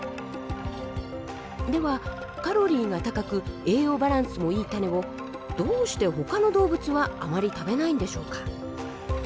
ではカロリーが高く栄養バランスもいい種をどうしてほかの動物はあまり食べないんでしょうか。